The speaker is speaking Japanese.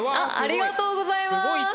ありがとうございます。